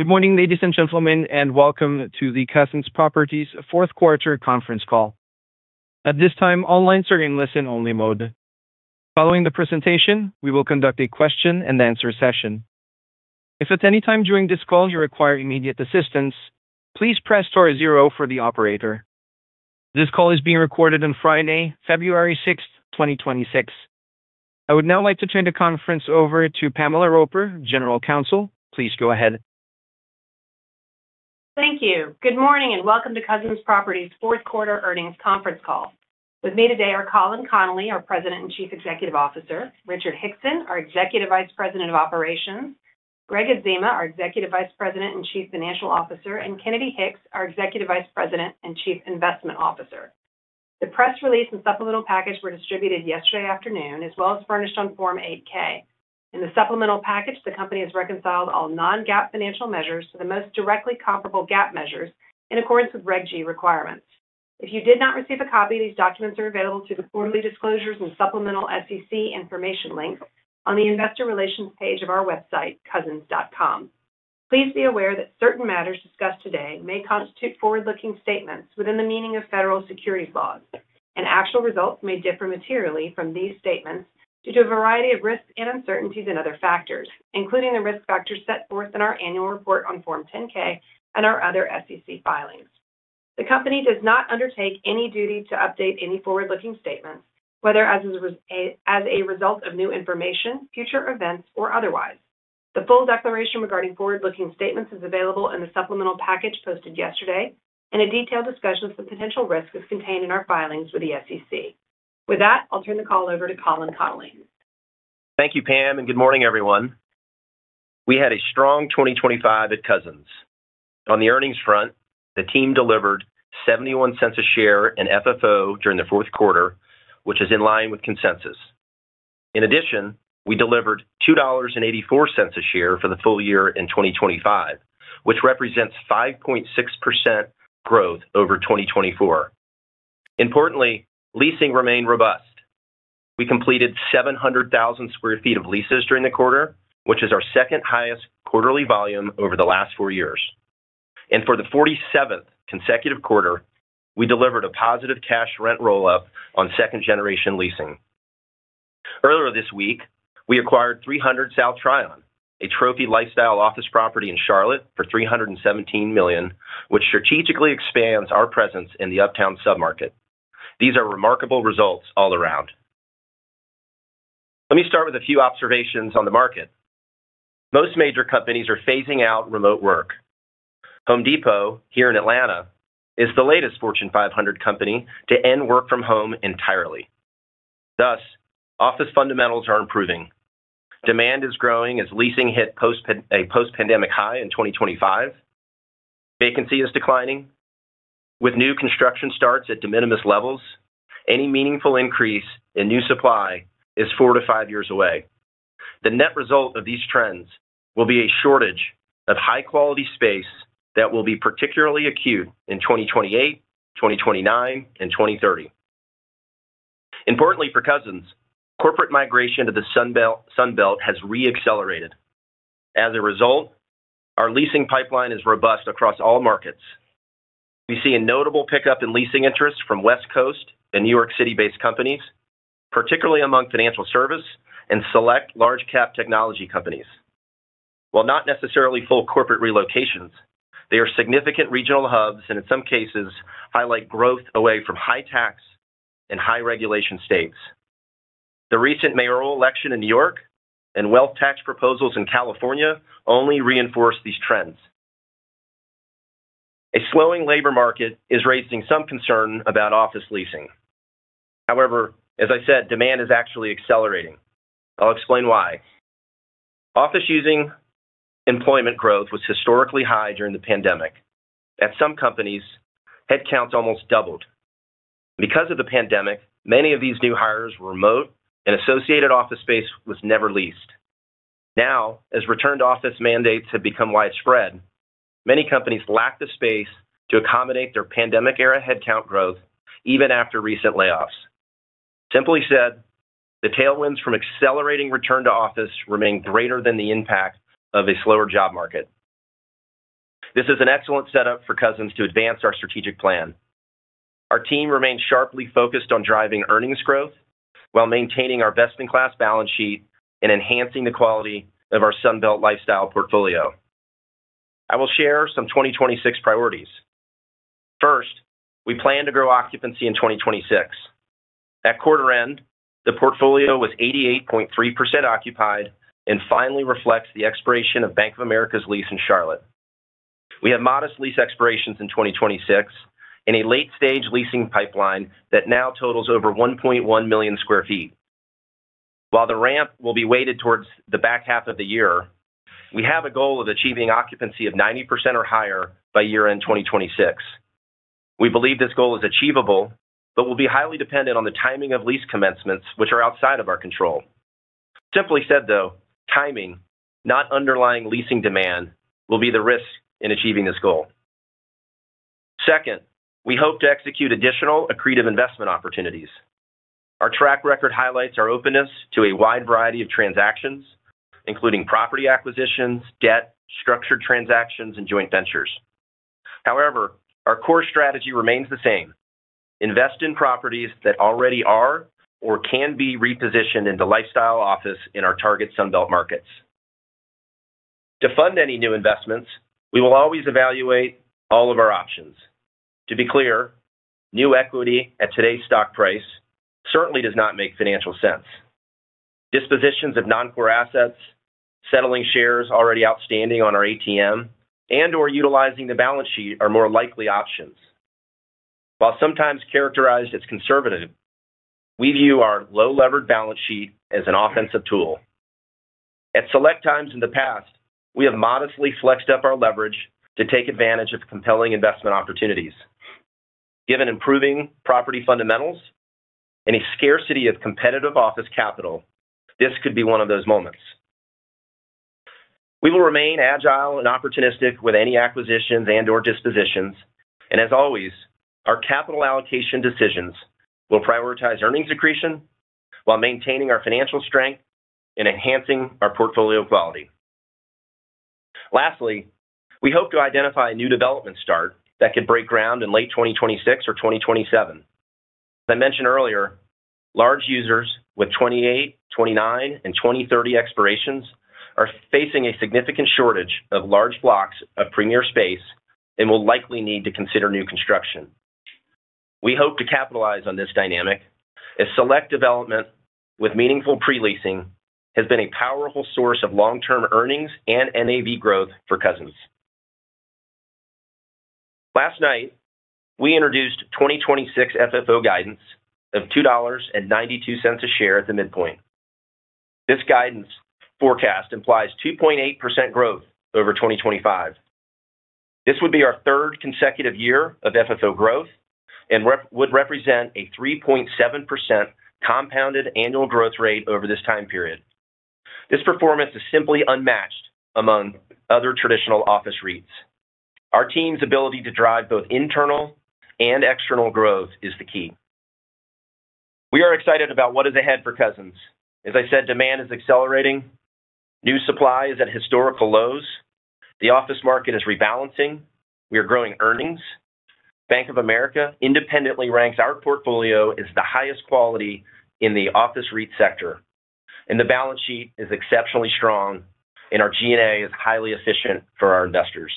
Good morning, ladies and gentlemen, and welcome to the Cousins Properties Fourth-Quarter Conference Call. At this time, all lines are in listen-only mode. Following the presentation, we will conduct a question-and-answer session. If at any time during this call you require immediate assistance, please press star zero for the operator. This call is being recorded on Friday, February 6, 2026. I would now like to turn the conference over to Pamela Roper, General Counsel. Please go ahead. Thank you. Good morning and welcome to Cousins Properties Fourth-Quarter Earnings Conference Call. With me today are Colin Connolly, our President and Chief Executive Officer, Richard Hickson, our Executive Vice President of Operations, Gregg Adzema, our Executive Vice President and Chief Financial Officer, and Kennedy Hicks, our Executive Vice President and Chief Investment Officer. The press release and supplemental package were distributed yesterday afternoon, as well as furnished on Form 8-K. In the supplemental package, the company has reconciled all non-GAAP financial measures to the most directly comparable GAAP measures in accordance with Regulation G requirements. If you did not receive a copy, these documents are available through the quarterly disclosures and supplemental SEC information links on the Investor Relations page of our website, cousins.com. Please be aware that certain matters discussed today may constitute forward-looking statements within the meaning of federal securities laws, and actual results may differ materially from these statements due to a variety of risks and uncertainties and other factors, including the risk factors set forth in our annual report on Form 10-K and our other SEC filings. The company does not undertake any duty to update any forward-looking statements, whether as a result of new information, future events, or otherwise. The full declaration regarding forward-looking statements is available in the supplemental package posted yesterday, and a detailed discussion of the potential risks is contained in our filings with the SEC. With that, I'll turn the call over to Colin Connolly. Thank you, Pam, and good morning, everyone. We had a strong 2025 at Cousins. On the earnings front, the team delivered $0.71 a share in FFO during the fourth quarter, which is in line with consensus. In addition, we delivered $2.84 a share for the full year in 2025, which represents 5.6% growth over 2024. Importantly, leasing remained robust. We completed 700,000 sq ft of leases during the quarter, which is our second-highest quarterly volume over the last four years. For the 47th consecutive quarter, we delivered a positive cash rent roll-up on second-generation leasing. Earlier this week, we acquired 300 South Tryon, a trophy lifestyle office property in Charlotte for $317 million, which strategically expands our presence in the Uptown submarket. These are remarkable results all around. Let me start with a few observations on the market. Most major companies are phasing out remote work. Home Depot, here in Atlanta, is the latest Fortune 500 company to end work from home entirely. Thus, office fundamentals are improving. Demand is growing as leasing hit a post-pandemic high in 2025. Vacancy is declining. With new construction starts at de minimis levels, any meaningful increase in new supply is four to five years away. The net result of these trends will be a shortage of high-quality space that will be particularly acute in 2028, 2029, and 2030. Importantly, for Cousins, corporate migration to the Sunbelt has reaccelerated. As a result, our leasing pipeline is robust across all markets. We see a notable pickup in leasing interest from West Coast and New York City-based companies, particularly among financial service and select large-cap technology companies. While not necessarily full corporate relocations, they are significant regional hubs and, in some cases, highlight growth away from high-tax and high-regulation states. The recent mayoral election in New York and wealth tax proposals in California only reinforce these trends. A slowing labor market is raising some concern about office leasing. However, as I said, demand is actually accelerating. I'll explain why. Office-using employment growth was historically high during the pandemic. At some companies, headcount almost doubled. Because of the pandemic, many of these new hires were remote, and associated office space was never leased. Now, as return-to-office mandates have become widespread, many companies lack the space to accommodate their pandemic-era headcount growth even after recent layoffs. Simply said, the tailwinds from accelerating return to office remain greater than the impact of a slower job market. This is an excellent setup for Cousins to advance our strategic plan. Our team remains sharply focused on driving earnings growth while maintaining our best-in-class balance sheet and enhancing the quality of our Sunbelt lifestyle portfolio. I will share some 2026 priorities. First, we plan to grow occupancy in 2026. At quarter-end, the portfolio was 88.3% occupied and finally reflects the expiration of Bank of America's lease in Charlotte. We have modest lease expirations in 2026 and a late-stage leasing pipeline that now totals over 1.1 million sq ft. While the ramp will be weighted towards the back half of the year, we have a goal of achieving occupancy of 90% or higher by year-end 2026. We believe this goal is achievable but will be highly dependent on the timing of lease commencements, which are outside of our control. Simply said, though, timing, not underlying leasing demand, will be the risk in achieving this goal. Second, we hope to execute additional accretive investment opportunities. Our track record highlights our openness to a wide variety of transactions, including property acquisitions, debt, structured transactions, and joint ventures. However, our core strategy remains the same: invest in properties that already are or can be repositioned into lifestyle office in our target Sunbelt markets. To fund any new investments, we will always evaluate all of our options. To be clear, new equity at today's stock price certainly does not make financial sense. Dispositions of non-core assets, settling shares already outstanding on our ATM, and/or utilizing the balance sheet are more likely options. While sometimes characterized as conservative, we view our low-leverage balance sheet as an offensive tool. At select times in the past, we have modestly flexed up our leverage to take advantage of compelling investment opportunities. Given improving property fundamentals and a scarcity of competitive office capital, this could be one of those moments. We will remain agile and opportunistic with any acquisitions and/or dispositions, and as always, our capital allocation decisions will prioritize earnings accretion while maintaining our financial strength and enhancing our portfolio quality. Lastly, we hope to identify a new development start that could break ground in late 2026 or 2027. As I mentioned earlier, large users with 2028, 2029, and 2030 expirations are facing a significant shortage of large blocks of premier space and will likely need to consider new construction. We hope to capitalize on this dynamic as select development with meaningful pre-leasing has been a powerful source of long-term earnings and NAV growth for Cousins. Last night, we introduced 2026 FFO guidance of $2.92 a share at the midpoint. This guidance forecast implies 2.8% growth over 2025. This would be our third consecutive year of FFO growth and would represent a 3.7% compounded annual growth rate over this time period. This performance is simply unmatched among other traditional office REITs. Our team's ability to drive both internal and external growth is the key. We are excited about what is ahead for Cousins. As I said, demand is accelerating. New supply is at historical lows. The office market is rebalancing. We are growing earnings. Bank of America independently ranks our portfolio as the highest quality in the office REIT sector, and the balance sheet is exceptionally strong, and our G&A is highly efficient for our investors.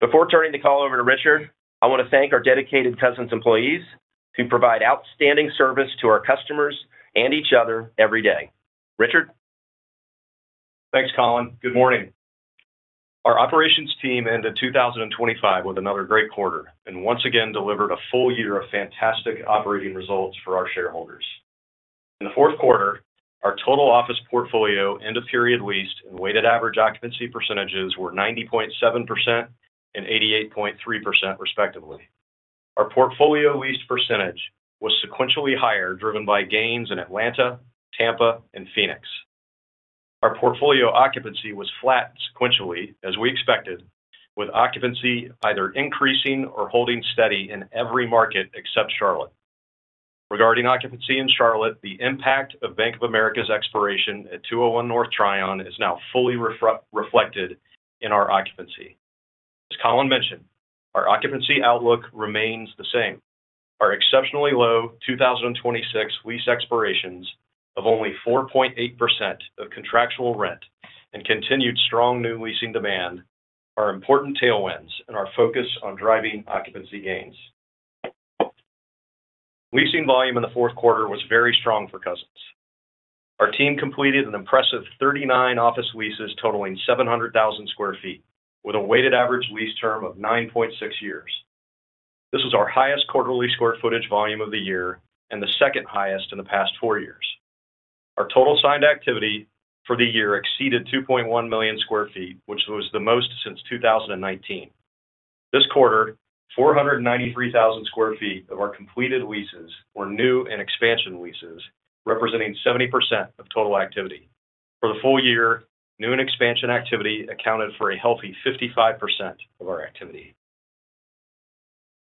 Before turning the call over to Richard, I want to thank our dedicated Cousins employees who provide outstanding service to our customers and each other every day. Richard? Thanks, Colin. Good morning. Our operations team ended 2025 with another great quarter and once again delivered a full year of fantastic operating results for our shareholders. In the fourth quarter, our total office portfolio end-of-period leased and weighted average occupancy percentages were 90.7% and 88.3%, respectively. Our portfolio leased percentage was sequentially higher, driven by gains in Atlanta, Tampa, and Phoenix. Our portfolio occupancy was flat sequentially, as we expected, with occupancy either increasing or holding steady in every market except Charlotte. Regarding occupancy in Charlotte, the impact of Bank of America's expiration at 201 North Tryon is now fully reflected in our occupancy. As Colin mentioned, our occupancy outlook remains the same. Our exceptionally low 2026 lease expirations of only 4.8% of contractual rent and continued strong new leasing demand are important tailwinds in our focus on driving occupancy gains. Leasing volume in the fourth quarter was very strong for Cousins. Our team completed an impressive 39 office leases totaling 700,000 sq ft, with a weighted average lease term of 9.6 years. This was our highest quarterly square footage volume of the year and the second highest in the past four years. Our total signed activity for the year exceeded 2.1 million sq ft, which was the most since 2019. This quarter, 493,000 sq ft of our completed leases were new and expansion leases, representing 70% of total activity. For the full year, new and expansion activity accounted for a healthy 55% of our activity.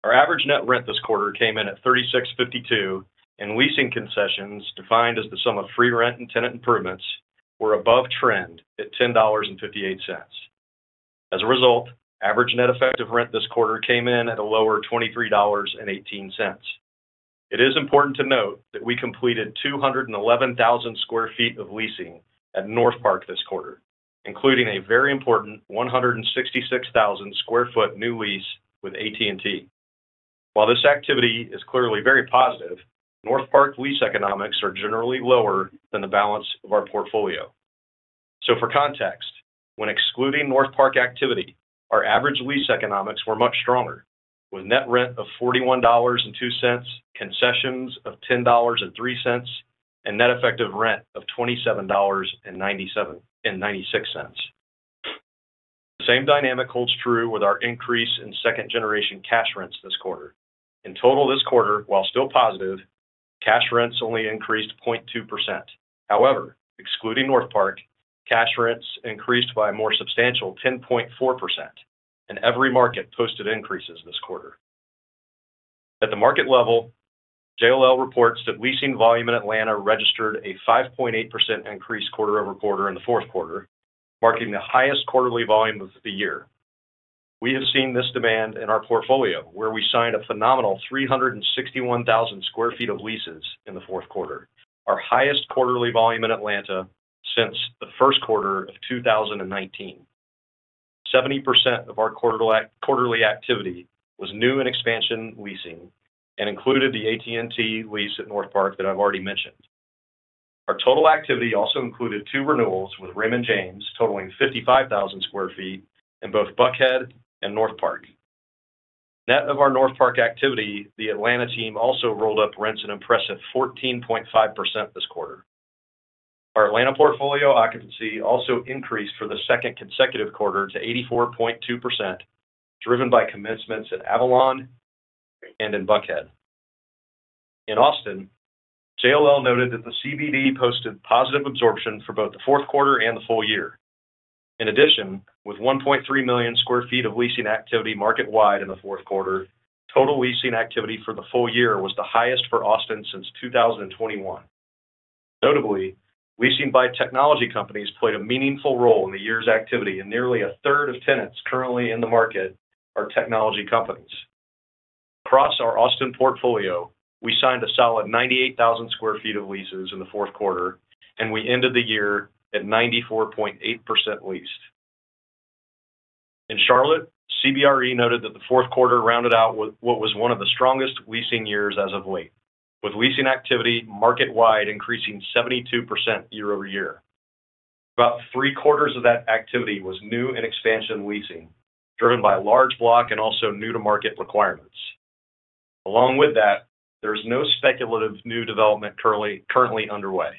Our average net rent this quarter came in at $36.52, and leasing concessions, defined as the sum of free rent and tenant improvements, were above trend at $10.58. As a result, average net effective rent this quarter came in at a lower $23.18. It is important to note that we completed 211,000 sq ft of leasing at Northpark this quarter, including a very important 166,000 sq ft new lease with AT&T. While this activity is clearly very positive, Northpark lease economics are generally lower than the balance of our portfolio. So for context, when excluding Northpark activity, our average lease economics were much stronger, with net rent of $41.02, concessions of $10.03, and net effective rent of $27.96. The same dynamic holds true with our increase in second-generation cash rents this quarter. In total this quarter, while still positive, cash rents only increased 0.2%. However, excluding Northpark, cash rents increased by a more substantial 10.4%, and every market posted increases this quarter. At the market level, JLL reports that leasing volume in Atlanta registered a 5.8% increase quarter-over-quarter in the fourth quarter, marking the highest quarterly volume of the year. We have seen this demand in our portfolio, where we signed a phenomenal 361,000 sq ft of leases in the fourth quarter, our highest quarterly volume in Atlanta since the first quarter of 2019. 70% of our quarterly activity was new and expansion leasing and included the AT&T lease at Northpark that I've already mentioned. Our total activity also included two renewals with Raymond James, totaling 55,000 sq ft in both Buckhead and Northpark. Net of our Northpark activity, the Atlanta team also rolled up rents an impressive 14.5% this quarter. Our Atlanta portfolio occupancy also increased for the second consecutive quarter to 84.2%, driven by commencements at Avalon and in Buckhead. In Austin, JLL noted that the CBD posted positive absorption for both the fourth quarter and the full year. In addition, with 1.3 million sq ft of leasing activity market-wide in the fourth quarter, total leasing activity for the full year was the highest for Austin since 2021. Notably, leasing by technology companies played a meaningful role in the year's activity, and nearly a third of tenants currently in the market are technology companies. Across our Austin portfolio, we signed a solid 98,000 sq ft of leases in the fourth quarter, and we ended the year at 94.8% leased. In Charlotte, CBRE noted that the fourth quarter rounded out what was one of the strongest leasing years as of late, with leasing activity market-wide increasing 72% year-over-year. About three-quarters of that activity was new and expansion leasing, driven by large block and also new-to-market requirements. Along with that, there is no speculative new development currently underway.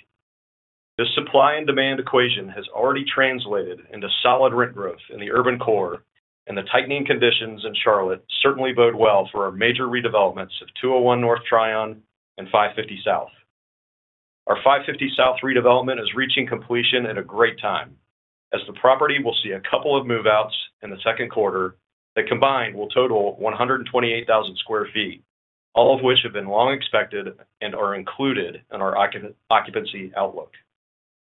This supply and demand equation has already translated into solid rent growth in the urban core, and the tightening conditions in Charlotte certainly bode well for our major redevelopments of 201 North Tryon and 550 South. Our 550 South redevelopment is reaching completion at a great time, as the property will see a couple of move-outs in the second quarter that combined will total 128,000 sq ft, all of which have been long expected and are included in our occupancy outlook.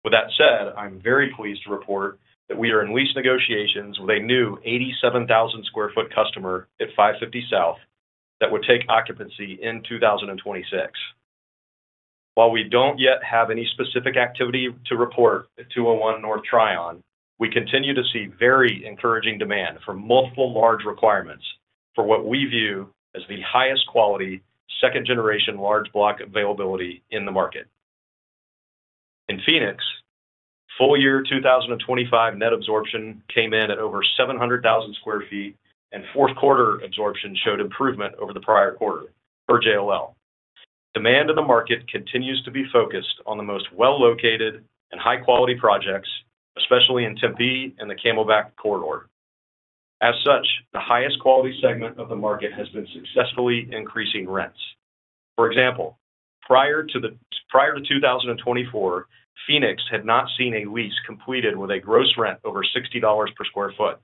With that said, I'm very pleased to report that we are in lease negotiations with a new 87,000 sq ft customer at 550 South that would take occupancy in 2026. While we don't yet have any specific activity to report at 201 North Tryon, we continue to see very encouraging demand for multiple large requirements for what we view as the highest quality second-generation large block availability in the market. In Phoenix, full year 2025 net absorption came in at over 700,000 sq ft, and fourth quarter absorption showed improvement over the prior quarter for JLL. Demand in the market continues to be focused on the most well-located and high-quality projects, especially in Tempe and the Camelback Corridor. As such, the highest quality segment of the market has been successfully increasing rents. For example, prior to 2024, Phoenix had not seen a lease completed with a gross rent over $60 per sq ft.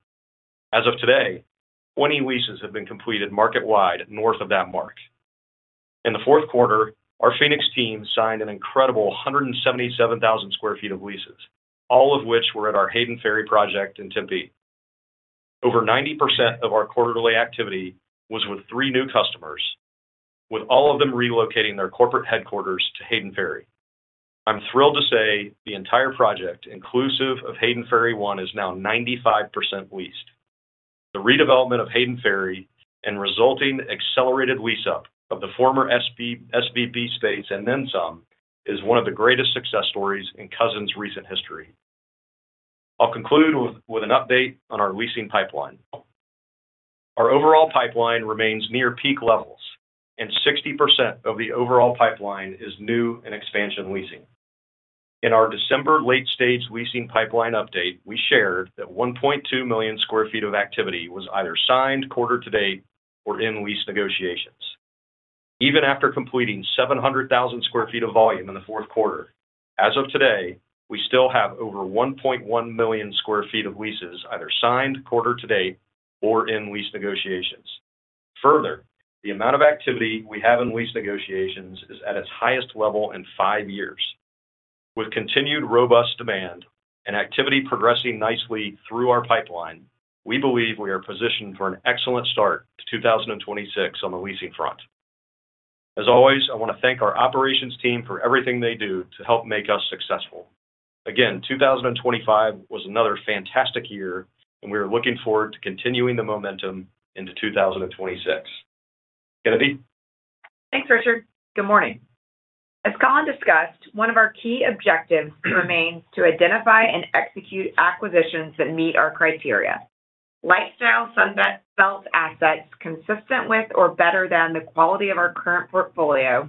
As of today, 20 leases have been completed market-wide north of that mark. In the fourth quarter, our Phoenix team signed an incredible 177,000 sq ft of leases, all of which were at our Hayden Ferry project in Tempe. Over 90% of our quarterly activity was with three new customers, with all of them relocating their corporate headquarters to Hayden Ferry. I'm thrilled to say the entire project, inclusive of Hayden Ferry 1, is now 95% leased. The redevelopment of Hayden Ferry and resulting accelerated lease-up of the former SVB space and then some is one of the greatest success stories in Cousins' recent history. I'll conclude with an update on our leasing pipeline. Our overall pipeline remains near peak levels, and 60% of the overall pipeline is new and expansion leasing. In our December late-stage leasing pipeline update, we shared that 1.2 million sq ft of activity was either signed quarter to date or in lease negotiations. Even after completing 700,000 sq ft of volume in the fourth quarter, as of today, we still have over 1.1 million sq ft of leases either signed quarter to date or in lease negotiations. Further, the amount of activity we have in lease negotiations is at its highest level in five years. With continued robust demand and activity progressing nicely through our pipeline, we believe we are positioned for an excellent start to 2026 on the leasing front. As always, I want to thank our operations team for everything they do to help make us successful. Again, 2025 was another fantastic year, and we are looking forward to continuing the momentum into 2026. Kennedy? Thanks, Richard. Good morning. As Colin discussed, one of our key objectives remains to identify and execute acquisitions that meet our criteria: lifestyle sunbelt assets consistent with or better than the quality of our current portfolio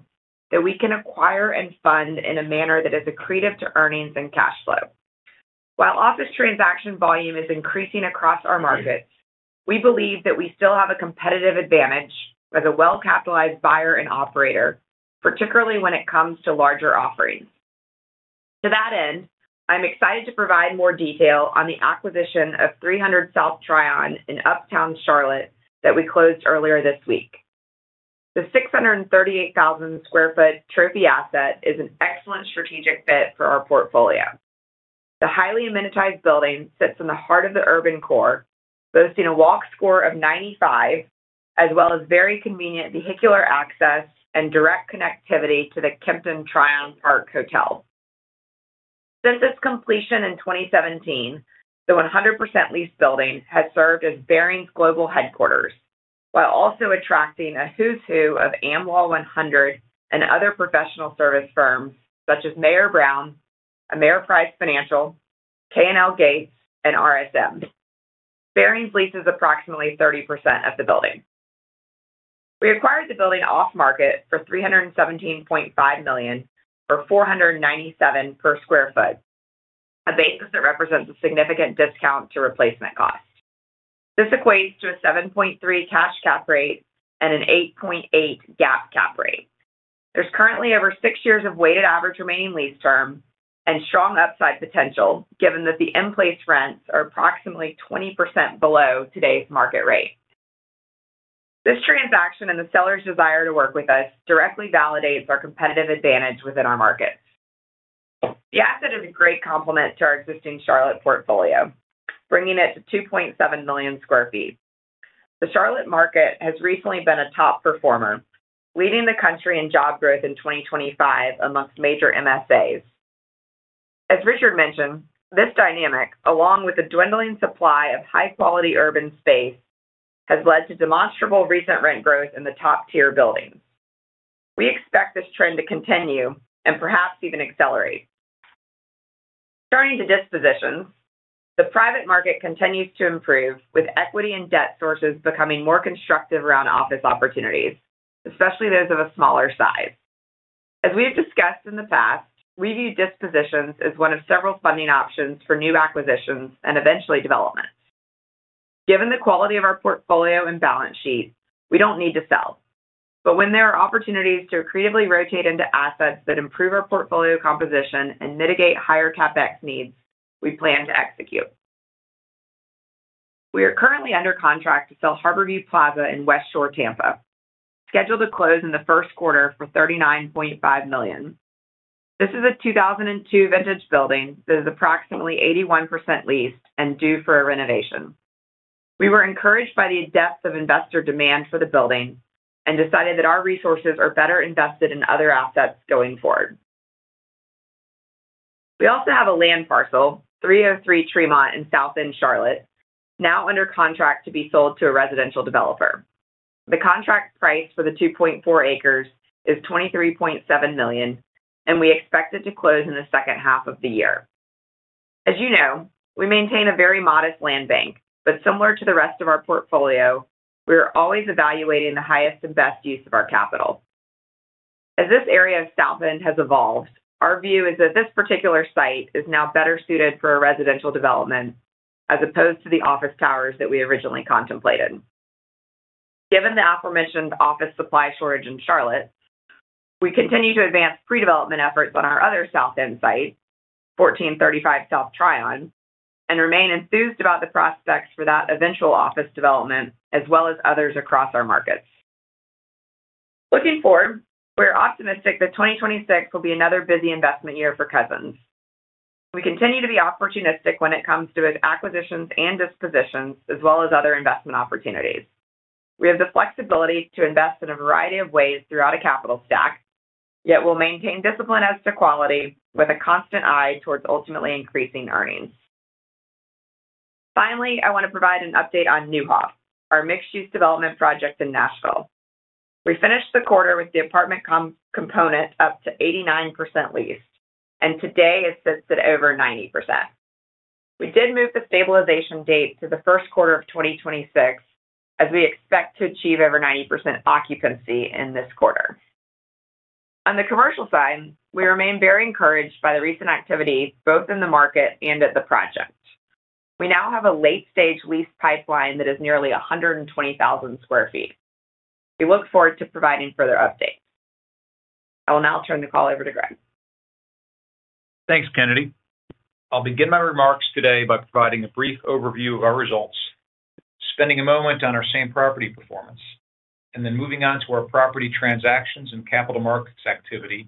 that we can acquire and fund in a manner that is accretive to earnings and cash flow. While office transaction volume is increasing across our markets, we believe that we still have a competitive advantage as a well-capitalized buyer and operator, particularly when it comes to larger offerings. To that end, I'm excited to provide more detail on the acquisition of 300 South Tryon in Uptown, Charlotte that we closed earlier this week. The 638,000 sq ft trophy asset is an excellent strategic fit for our portfolio. The highly amenitized building sits in the heart of the urban core, boasting a Walk Score of 95, as well as very convenient vehicular access and direct connectivity to the Kimpton Tryon Park Hotel. Since its completion in 2017, the 100% leased building has served as Barings global headquarters, while also attracting a who's who of Am Law 100 and other professional service firms such as Mayer Brown, Ameriprise Financial, K&L Gates, and RSM. Barings leases approximately 30% of the building. We acquired the building off-market for $317.5 million or $497 per sq ft, a basis that represents a significant discount to replacement cost. This equates to a 7.3 cash cap rate and an 8.8 GAAP cap rate. There's currently over six years of weighted average remaining lease term and strong upside potential, given that the in-place rents are approximately 20% below today's market rate. This transaction and the seller's desire to work with us directly validates our competitive advantage within our markets. The asset is a great complement to our existing Charlotte portfolio, bringing it to 2.7 million sq ft. The Charlotte market has recently been a top performer, leading the country in job growth in 2025 amongst major MSAs. As Richard mentioned, this dynamic, along with the dwindling supply of high-quality urban space, has led to demonstrable recent rent growth in the top-tier buildings. We expect this trend to continue and perhaps even accelerate. Turning to dispositions, the private market continues to improve, with equity and debt sources becoming more constructive around office opportunities, especially those of a smaller size. As we've discussed in the past, we view dispositions as one of several funding options for new acquisitions and eventually development. Given the quality of our portfolio and balance sheet, we don't need to sell. But when there are opportunities to accretively rotate into assets that improve our portfolio composition and mitigate higher CapEx needs, we plan to execute. We are currently under contract to sell Harbourview Plaza in Westshore, Tampa, scheduled to close in the first quarter for $39.5 million. This is a 2002 vintage building that is approximately 81% leased and due for a renovation. We were encouraged by the depth of investor demand for the building and decided that our resources are better invested in other assets going forward. We also have a land parcel, 303 Tremont in South End, Charlotte, now under contract to be sold to a residential developer. The contract price for the 2.4 acres is $23.7 million, and we expect it to close in the second half of the year. As you know, we maintain a very modest land bank, but similar to the rest of our portfolio, we are always evaluating the highest and best use of our capital. As this area of South End has evolved, our view is that this particular site is now better suited for a residential development as opposed to the office towers that we originally contemplated. Given the aforementioned office supply shortage in Charlotte, we continue to advance pre-development efforts on our other South End site, 1435 South Tryon, and remain enthused about the prospects for that eventual office development as well as others across our markets. Looking forward, we are optimistic that 2026 will be another busy investment year for Cousins. We continue to be opportunistic when it comes to both acquisitions and dispositions, as well as other investment opportunities. We have the flexibility to invest in a variety of ways throughout a capital stack, yet we'll maintain discipline as to quality with a constant eye towards ultimately increasing earnings. Finally, I want to provide an update on Neuhoff, our mixed-use development project in Nashville. We finished the quarter with the apartment component up to 89% leased, and today it sits at over 90%. We did move the stabilization date to the first quarter of 2026, as we expect to achieve over 90% occupancy in this quarter. On the commercial side, we remain very encouraged by the recent activity both in the market and at the project. We now have a late-stage lease pipeline that is nearly 120,000 sq ft. We look forward to providing further updates. I will now turn the call over to Gregg. Thanks, Kennedy. I'll begin my remarks today by providing a brief overview of our results, spending a moment on our same-property performance, and then moving on to our property transactions and capital markets activity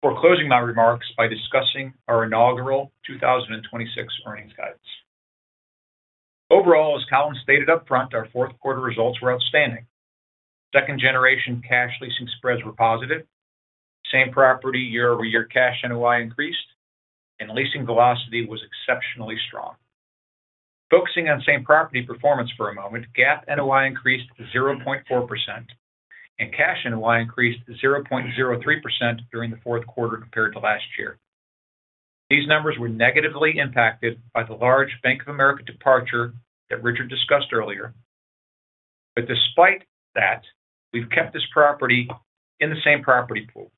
before closing my remarks by discussing our inaugural 2026 earnings guidance. Overall, as Colin stated upfront, our fourth quarter results were outstanding. Second-generation cash leasing spreads were positive. Same-property, year-over-year, Cash NOI increased, and leasing velocity was exceptionally strong. Focusing on same-property performance for a moment, GAAP NOI increased 0.4%, and Cash NOI increased 0.03% during the fourth quarter compared to last year. These numbers were negatively impacted by the large Bank of America departure that Richard discussed earlier. Despite that, we've kept this property in the same-property pool.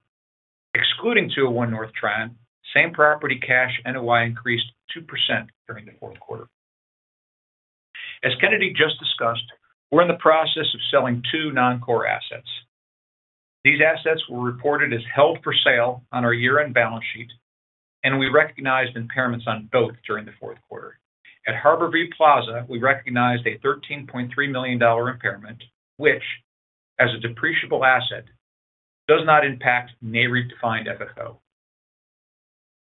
Excluding 201 North Tryon, same-property Cash NOI increased 2% during the fourth quarter. As Kennedy just discussed, we're in the process of selling two non-core assets. These assets were reported as held for sale on our year-end balance sheet, and we recognized impairments on both during the fourth quarter. At Harborview Plaza, we recognized a $13.3 million impairment, which, as a depreciable asset, does not impact NAREIT-defined FFO.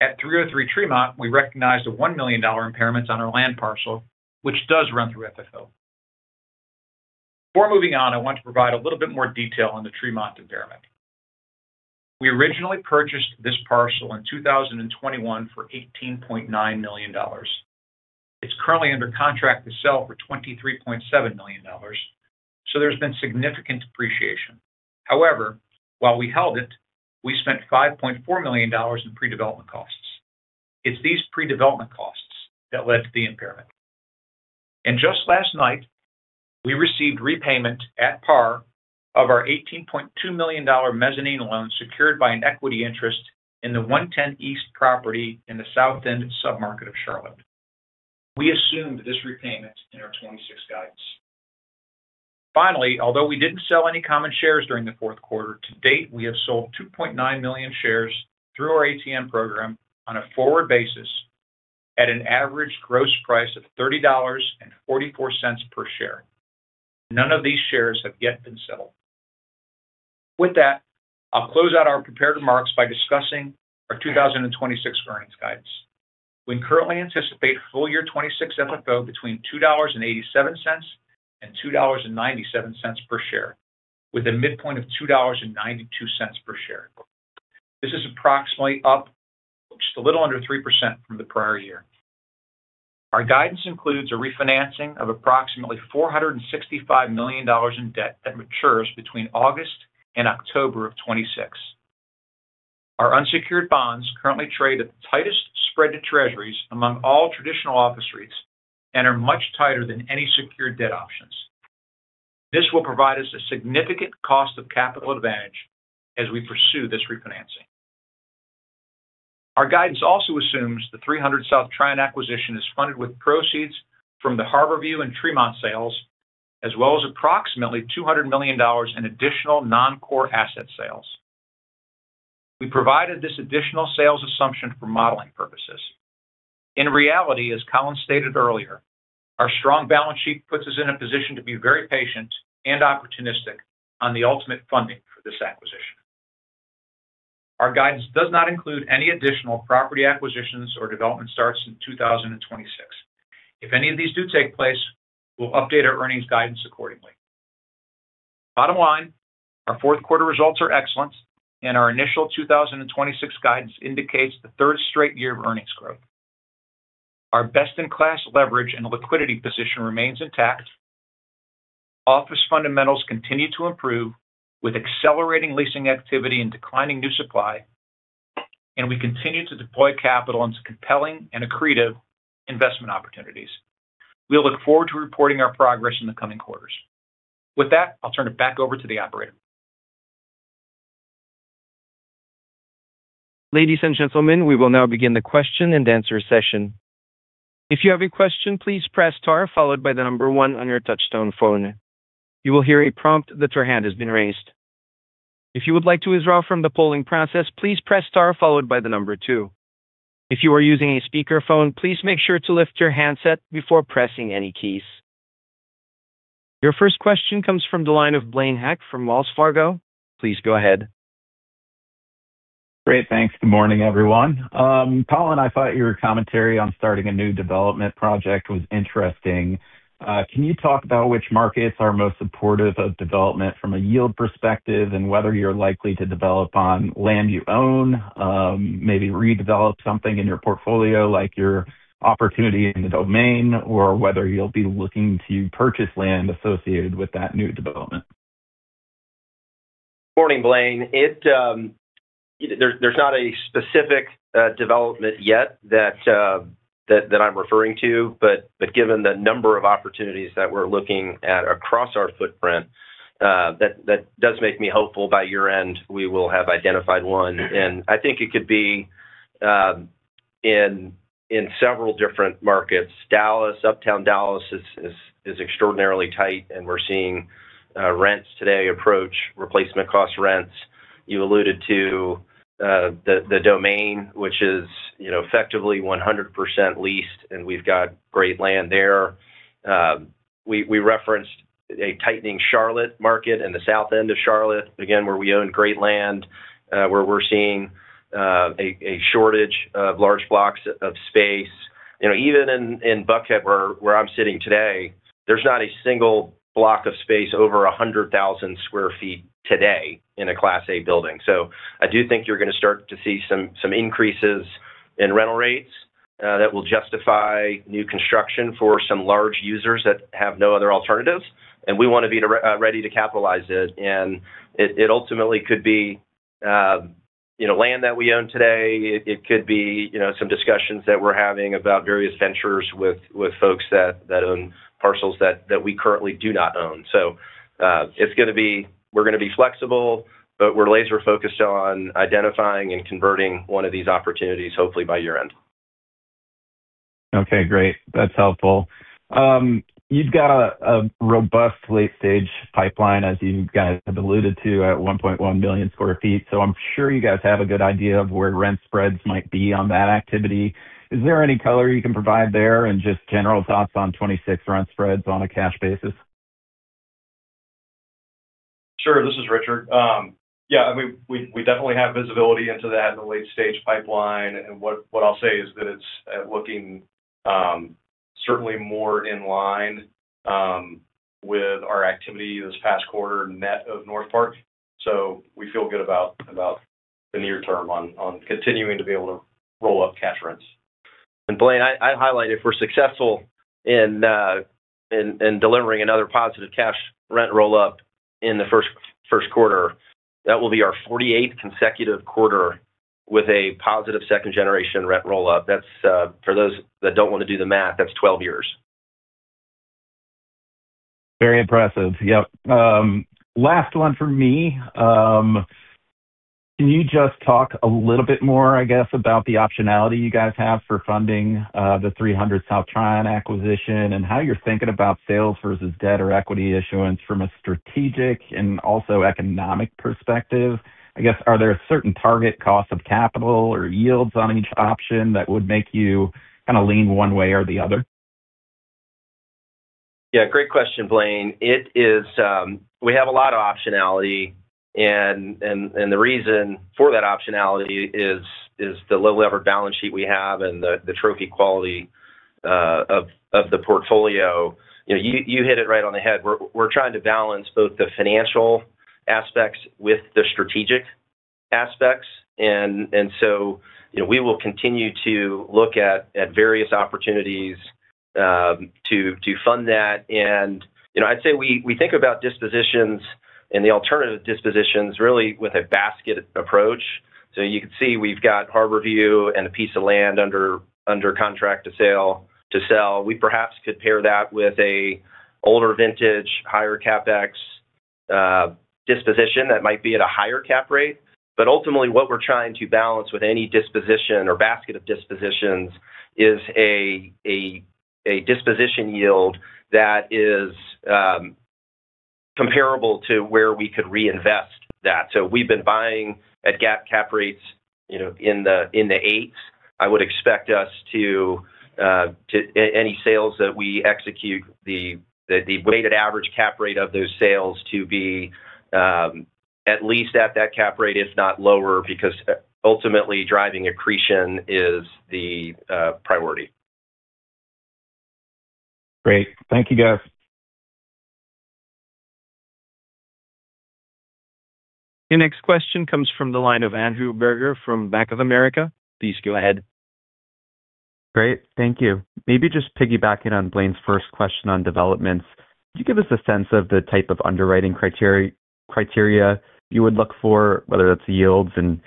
At 303 Tremont, we recognized a $1 million impairment on our land parcel, which does run through FFO. Before moving on, I want to provide a little bit more detail on the Tremont impairment. We originally purchased this parcel in 2021 for $18.9 million. It's currently under contract to sell for $23.7 million, so there's been significant depreciation. However, while we held it, we spent $5.4 million in pre-development costs. It's these pre-development costs that led to the impairment. Just last night, we received repayment at par of our $18.2 million mezzanine loan secured by an equity interest in the 110 East property in the South End submarket of Charlotte. We assumed this repayment in our 2026 guidance. Finally, although we didn't sell any common shares during the fourth quarter, to date we have sold 2.9 million shares through our ATM program on a forward basis at an average gross price of $30.44 per share. None of these shares have yet been settled. With that, I'll close out our prepared remarks by discussing our 2026 earnings guidance. We currently anticipate full year 2026 FFO between $2.87-$2.97 per share, with a midpoint of $2.92 per share. This is approximately up just a little under 3% from the prior year. Our guidance includes a refinancing of approximately $465 million in debt that matures between August and October of 2026. Our unsecured bonds currently trade at the tightest spread to treasuries among all traditional office rates and are much tighter than any secured debt options. This will provide us a significant cost of capital advantage as we pursue this refinancing. Our guidance also assumes the 300 South Tryon acquisition is funded with proceeds from the Harborview and Tremont sales, as well as approximately $200 million in additional non-core asset sales. We provided this additional sales assumption for modeling purposes. In reality, as Colin stated earlier, our strong balance sheet puts us in a position to be very patient and opportunistic on the ultimate funding for this acquisition. Our guidance does not include any additional property acquisitions or development starts in 2026. If any of these do take place, we'll update our earnings guidance accordingly. Bottom line, our fourth quarter results are excellent, and our initial 2026 guidance indicates the third straight year of earnings growth. Our best-in-class leverage and liquidity position remains intact. Office fundamentals continue to improve with accelerating leasing activity and declining new supply, and we continue to deploy capital into compelling and accretive investment opportunities. We'll look forward to reporting our progress in the coming quarters. With that, I'll turn it back over to the operator. Ladies and gentlemen, we will now begin the question and answer session. If you have a question, please press star followed by the number one on your touch-tone phone. You will hear a prompt that your hand has been raised. If you would like to withdraw from the polling process, please press star followed by the number two. If you are using a speakerphone, please make sure to lift your handset before pressing any keys. Your first question comes from the line of Blaine Heck from Wells Fargo. Please go ahead. Great, thanks. Good morning, everyone. Colin, I thought your commentary on starting a new development project was interesting. Can you talk about which markets are most supportive of development from a yield perspective and whether you're likely to develop on land you own, maybe redevelop something in your portfolio like your opportunity in The Domain, or whether you'll be looking to purchase land associated with that new development? Morning, Blaine. There's not a specific development yet that I'm referring to, but given the number of opportunities that we're looking at across our footprint, that does make me hopeful by year-end we will have identified one. And I think it could be in several different markets. Uptown Dallas is extraordinarily tight, and we're seeing rents today approach replacement cost rents. You alluded to The Domain, which is effectively 100% leased, and we've got great land there. We referenced a tightening Charlotte market and the South End of Charlotte, again, where we own great land, where we're seeing a shortage of large blocks of space. Even in Buckhead, where I'm sitting today, there's not a single block of space over 100,000 sq ft today in a Class A building. I do think you're going to start to see some increases in rental rates that will justify new construction for some large users that have no other alternatives. We want to be ready to capitalize it. It ultimately could be land that we own today. It could be some discussions that we're having about various ventures with folks that own parcels that we currently do not own. It's going to be we're going to be flexible, but we're laser-focused on identifying and converting one of these opportunities, hopefully by year-end. Okay, great. That's helpful. You've got a robust late-stage pipeline, as you guys have alluded to, at 1.1 million sq ft. So I'm sure you guys have a good idea of where rent spreads might be on that activity. Is there any color you can provide there and just general thoughts on 2026 rent spreads on a cash basis? Sure. This is Richard. Yeah, I mean, we definitely have visibility into that in the late-stage pipeline. And what I'll say is that it's looking certainly more in line with our activity this past quarter net of Northpark. So we feel good about the near term on continuing to be able to roll up cash rents. Blaine, I'd highlight if we're successful in delivering another positive cash rent roll-up in the first quarter, that will be our 48th consecutive quarter with a positive second-generation rent roll-up. For those that don't want to do the math, that's 12 years. Very impressive. Yep. Last one from me. Can you just talk a little bit more, I guess, about the optionality you guys have for funding the 300 South Tryon acquisition and how you're thinking about sales versus debt or equity issuance from a strategic and also economic perspective? I guess, are there certain target costs of capital or yields on each option that would make you kind of lean one way or the other? Yeah, great question, Blaine. We have a lot of optionality, and the reason for that optionality is the low-leverage balance sheet we have and the trophy quality of the portfolio. You hit it right on the head. We're trying to balance both the financial aspects with the strategic aspects. And so we will continue to look at various opportunities to fund that. And I'd say we think about dispositions and the alternative dispositions really with a basket approach. So you can see we've got Harborview and a piece of land under contract to sell. We perhaps could pair that with an older vintage, higher capex disposition that might be at a higher cap rate. But ultimately, what we're trying to balance with any disposition or basket of dispositions is a disposition yield that is comparable to where we could reinvest that. We've been buying at GAAP cap rates in the eights. I would expect us to any sales that we execute, the weighted average cap rate of those sales to be at least at that cap rate, if not lower, because ultimately, driving accretion is the priority. Great. Thank you, guys. Your next question comes from the line of Andrew Berger from Bank of America. Please go ahead. Great. Thank you. Maybe just piggybacking on Blaine's first question on developments, could you give us a sense of the type of underwriting criteria you would look for, whether that's yields and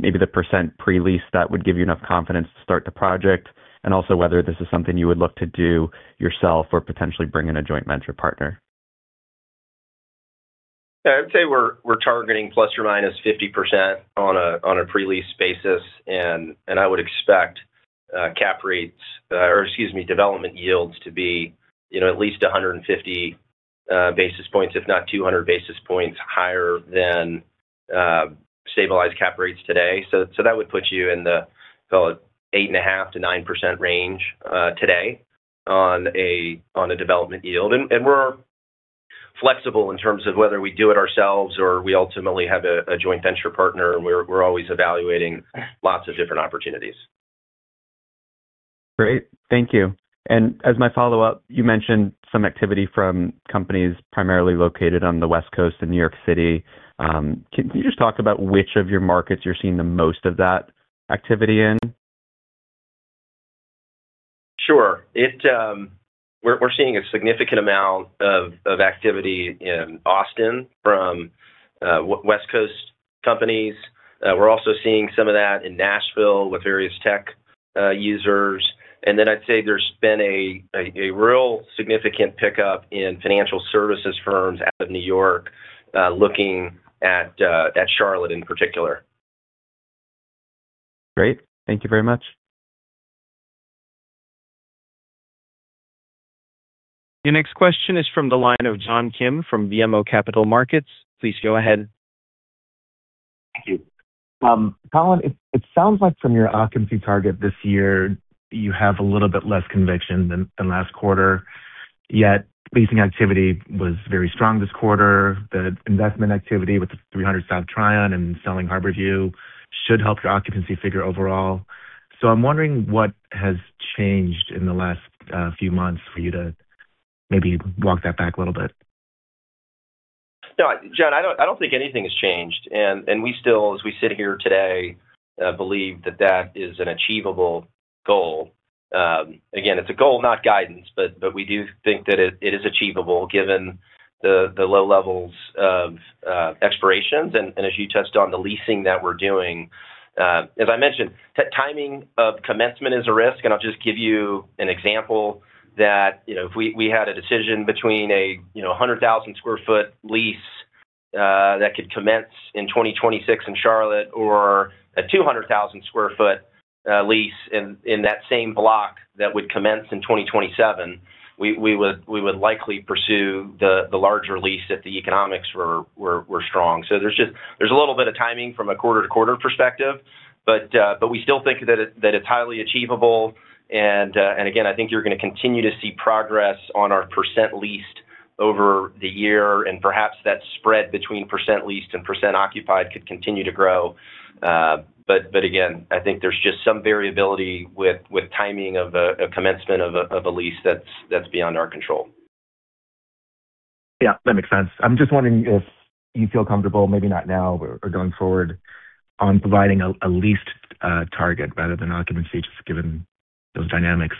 maybe the percent pre-lease that would give you enough confidence to start the project, and also whether this is something you would look to do yourself or potentially bring in a joint venture partner? Yeah, I would say we're targeting ±50% on a pre-lease basis. And I would expect cap rates or, excuse me, development yields to be at least 150 basis points, if not 200 basis points higher than stabilized cap rates today. So that would put you in the, call it, 8.5%-9% range today on a development yield. And we're flexible in terms of whether we do it ourselves or we ultimately have a joint venture partner. We're always evaluating lots of different opportunities. Great. Thank you. As my follow-up, you mentioned some activity from companies primarily located on the West Coast and New York City. Can you just talk about which of your markets you're seeing the most of that activity in? Sure. We're seeing a significant amount of activity in Austin from West Coast companies. We're also seeing some of that in Nashville with various tech users. And then I'd say there's been a real significant pickup in financial services firms out of New York looking at Charlotte in particular. Great. Thank you very much. Your next question is from the line of John Kim from BMO Capital Markets. Please go ahead. Thank you. Colin, it sounds like from your occupancy target this year, you have a little bit less conviction than last quarter. Yet, leasing activity was very strong this quarter. The investment activity with the 300 South Tryon and selling Harborview should help your occupancy figure overall. I'm wondering what has changed in the last few months for you to maybe walk that back a little bit. No, John, I don't think anything has changed. We still, as we sit here today, believe that that is an achievable goal. Again, it's a goal, not guidance, but we do think that it is achievable given the low levels of expirations. As you touched on, the leasing that we're doing, as I mentioned, timing of commencement is a risk. I'll just give you an example that if we had a decision between a 100,000 sq ft lease that could commence in 2026 in Charlotte or a 200,000 sq ft lease in that same block that would commence in 2027, we would likely pursue the larger lease if the economics were strong. So there's a little bit of timing from a quarter-to-quarter perspective, but we still think that it's highly achievable. Again, I think you're going to continue to see progress on our percent leased over the year. Perhaps that spread between percent leased and percent occupied could continue to grow. But again, I think there's just some variability with timing of a commencement of a lease that's beyond our control. Yeah, that makes sense. I'm just wondering if you feel comfortable, maybe not now or going forward, on providing a leased target rather than occupancy just given those dynamics?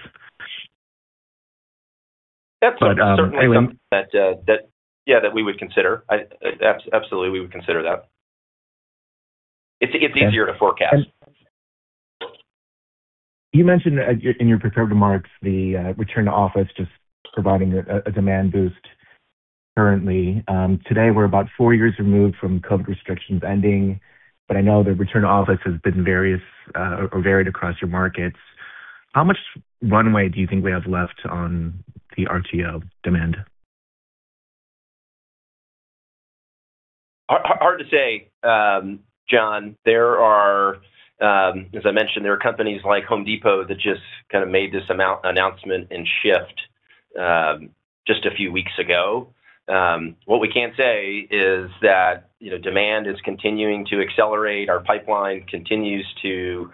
Yep, certainly. Certainly. That, yeah, that we would consider. Absolutely, we would consider that. It's easier to forecast. You mentioned in your prepared remarks the return to office, just providing a demand boost currently. Today, we're about four years removed from COVID restrictions ending, but I know the return to office has been various or varied across your markets. How much runway do you think we have left on the RTO demand? Hard to say, John. As I mentioned, there are companies like Home Depot that just kind of made this announcement and shift just a few weeks ago. What we can't say is that demand is continuing to accelerate. Our pipeline continues to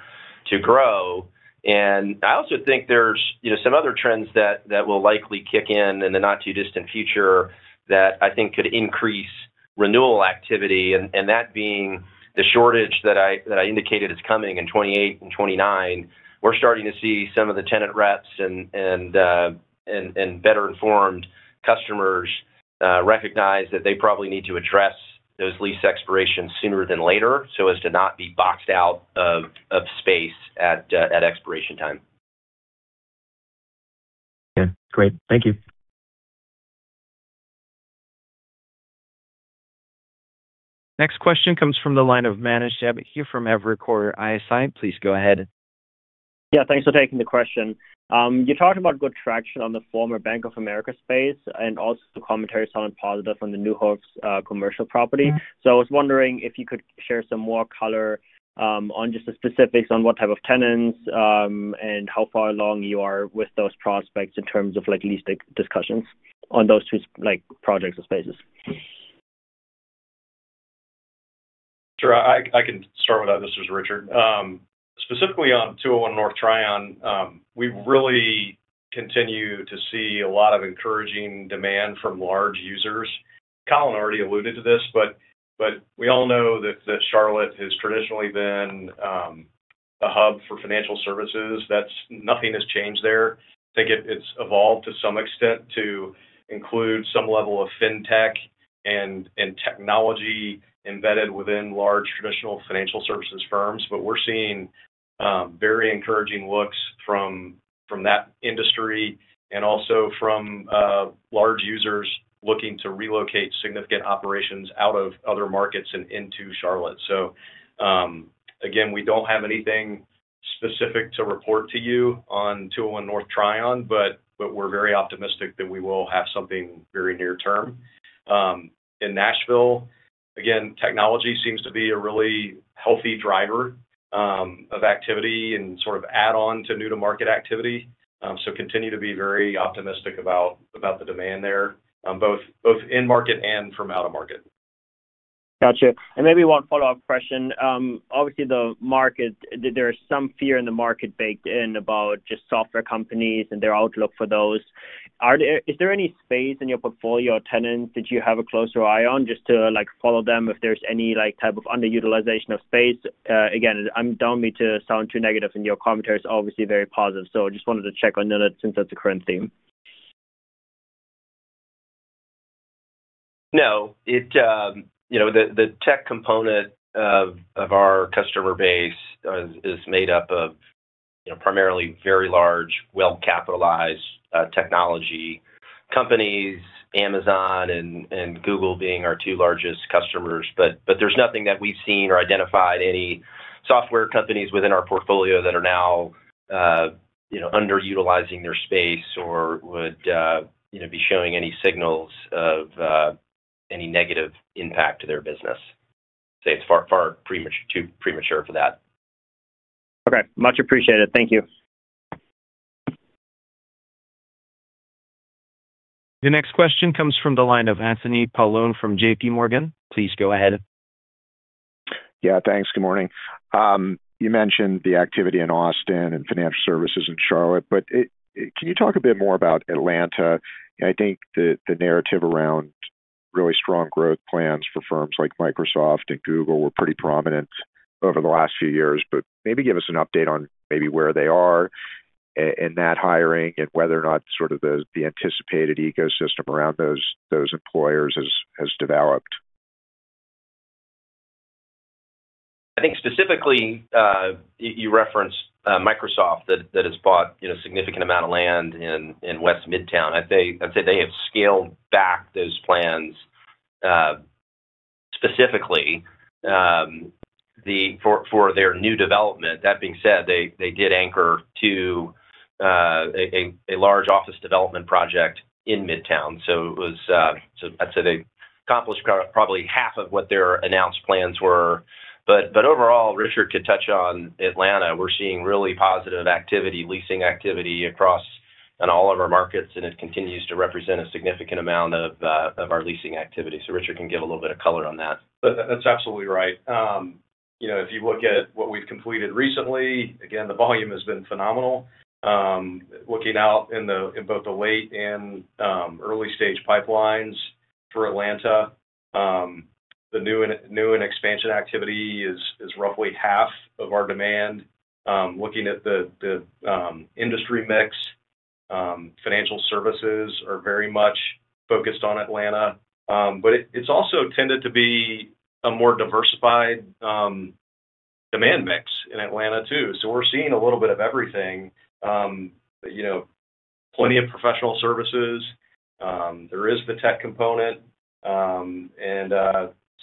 grow. I also think there's some other trends that will likely kick in in the not-too-distant future that I think could increase renewal activity. And that being the shortage that I indicated is coming in 2028 and 2029, we're starting to see some of the tenant reps and better-informed customers recognize that they probably need to address those lease expirations sooner than later so as to not be boxed out of space at expiration time. Okay. Great. Thank you. Next question comes from the line of Manage. I have it here from Evercore ISI. Please go ahead. Yeah, thanks for taking the question. You talked about good traction on the former Bank of America space and also commentary sounded positive on the Neuhoff's commercial property. So I was wondering if you could share some more color on just the specifics on what type of tenants and how far along you are with those prospects in terms of leasing discussions on those two projects or spaces. Sure. I can start with that. This is Richard. Specifically on 201 North Tryon, we really continue to see a lot of encouraging demand from large users. Colin already alluded to this, but we all know that Charlotte has traditionally been a hub for financial services. Nothing has changed there. I think it's evolved to some extent to include some level of fintech and technology embedded within large traditional financial services firms. But we're seeing very encouraging looks from that industry and also from large users looking to relocate significant operations out of other markets and into Charlotte. So again, we don't have anything specific to report to you on 201 North Tryon, but we're very optimistic that we will have something very near term. In Nashville, again, technology seems to be a really healthy driver of activity and sort of add-on to new-to-market activity. Continue to be very optimistic about the demand there, both in-market and from out-of-market. Gotcha. And maybe one follow-up question. Obviously, there is some fear in the market baked in about just software companies and their outlook for those. Is there any space in your portfolio or tenants that you have a closer eye on just to follow them if there's any type of underutilization of space? Again, I don't mean to sound too negative, and your commentary is obviously very positive. So I just wanted to check on that since that's a current theme. No. The tech component of our customer base is made up of primarily very large, well-capitalized technology companies, Amazon and Google being our two largest customers. But there's nothing that we've seen or identified any software companies within our portfolio that are now underutilizing their space or would be showing any signals of any negative impact to their business. I'd say it's far too premature for that. Okay. Much appreciated. Thank you. Your next question comes from the line of Anthony Paolone from JPMorgan. Please go ahead. Yeah, thanks. Good morning. You mentioned the activity in Austin and financial services in Charlotte, but can you talk a bit more about Atlanta? I think the narrative around really strong growth plans for firms like Microsoft and Google were pretty prominent over the last few years. But maybe give us an update on maybe where they are in that hiring and whether or not sort of the anticipated ecosystem around those employers has developed. I think specifically, you referenced Microsoft that has bought a significant amount of land in West Midtown. I'd say they have scaled back those plans specifically for their new development. That being said, they did anchor to a large office development project in Midtown. So I'd say they accomplished probably half of what their announced plans were. But overall, Richard could touch on Atlanta. We're seeing really positive leasing activity across all of our markets, and it continues to represent a significant amount of our leasing activity. So Richard can give a little bit of color on that. That's absolutely right. If you look at what we've completed recently, again, the volume has been phenomenal. Looking out in both the late and early-stage pipelines for Atlanta, the new and expansion activity is roughly half of our demand. Looking at the industry mix, financial services are very much focused on Atlanta. But it's also tended to be a more diversified demand mix in Atlanta, too. So we're seeing a little bit of everything, plenty of professional services. There is the tech component. And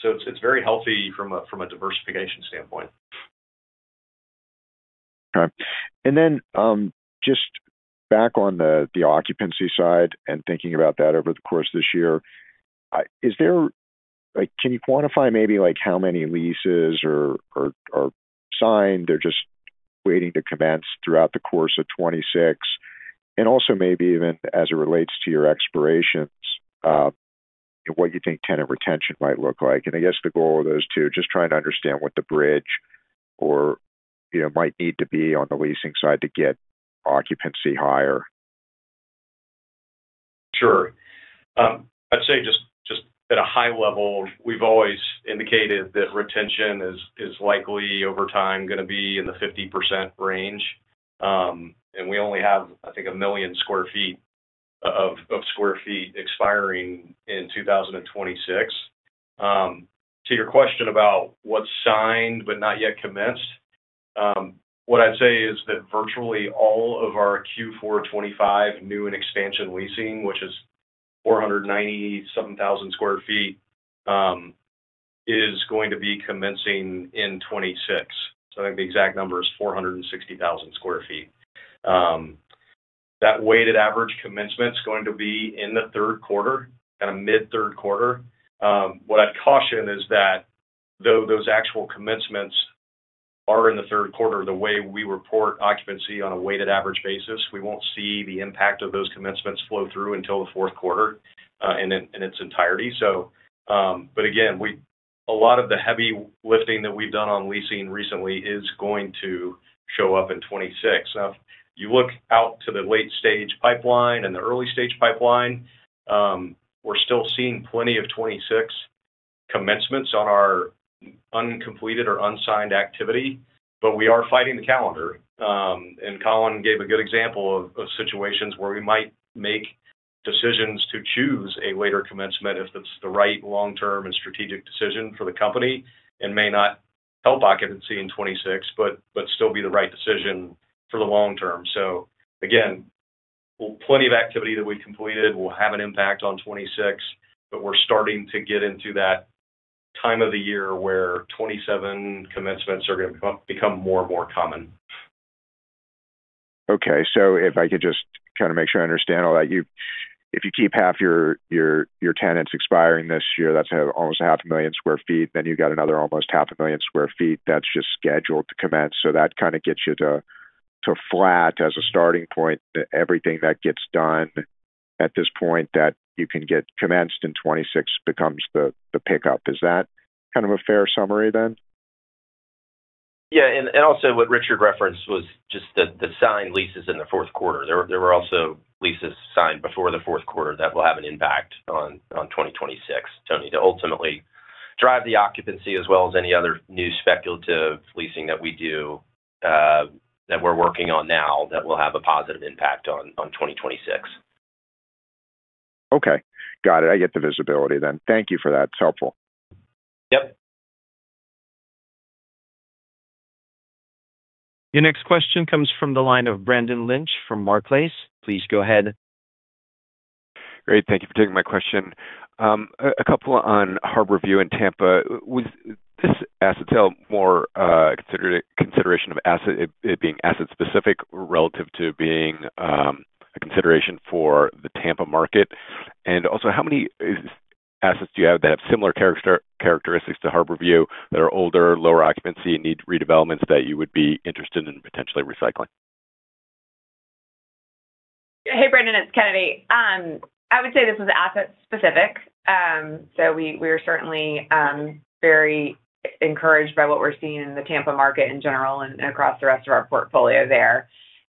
so it's very healthy from a diversification standpoint. Okay. And then just back on the occupancy side and thinking about that over the course of this year, can you quantify maybe how many leases are signed? They're just waiting to commence throughout the course of 2026. And also maybe even as it relates to your expirations, what you think tenant retention might look like. And I guess the goal of those two, just trying to understand what the bridge might need to be on the leasing side to get occupancy higher. Sure. I'd say just at a high level, we've always indicated that retention is likely over time going to be in the 50% range. We only have, I think, 1 million sq ft of sq ft expiring in 2026. To your question about what's signed but not yet commenced, what I'd say is that virtually all of our Q425 new and expansion leasing, which is 497,000 sq ft, is going to be commencing in 2026. So I think the exact number is 460,000 sq ft. That weighted average commencement's going to be in the third quarter, kind of mid-third quarter. What I'd caution is that though those actual commencements are in the third quarter, the way we report occupancy on a weighted average basis, we won't see the impact of those commencements flow through until the fourth quarter in its entirety. But again, a lot of the heavy lifting that we've done on leasing recently is going to show up in 2026. Now, if you look out to the late-stage pipeline and the early-stage pipeline, we're still seeing plenty of 2026 commencements on our uncompleted or unsigned activity. But we are fighting the calendar. Colin gave a good example of situations where we might make decisions to choose a later commencement if that's the right long-term and strategic decision for the company and may not help occupancy in 2026 but still be the right decision for the long term. Again, plenty of activity that we've completed will have an impact on 2026, but we're starting to get into that time of the year where 2027 commencements are going to become more and more common. Okay. So if I could just kind of make sure I understand all that, if you keep half your tenants expiring this year, that's almost 500,000 sq ft. Then you've got another almost 500,000 sq ft that's just scheduled to commence. So that kind of gets you to flat as a starting point that everything that gets done at this point that you can get commenced in 2026 becomes the pickup. Is that kind of a fair summary then? Yeah. And also what Richard referenced was just the signed leases in the fourth quarter. There were also leases signed before the fourth quarter that will have an impact on 2026, Tony, to ultimately drive the occupancy as well as any other new speculative leasing that we do that we're working on now that will have a positive impact on 2026. Okay. Got it. I get the visibility then. Thank you for that. It's helpful. Yep. Your next question comes from the line of Brendan Lynch from Barclays. Please go ahead. Great. Thank you for taking my question. A couple on Harborview and Tampa. This asks itself more consideration of it being asset-specific relative to being a consideration for the Tampa market. And also, how many assets do you have that have similar characteristics to Harborview that are older, lower occupancy, and need redevelopments that you would be interested in potentially recycling? Hey, Brendan. It's Kennedy. I would say this was asset-specific. So we are certainly very encouraged by what we're seeing in the Tampa market in general and across the rest of our portfolio there.